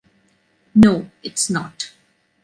No, it’s not.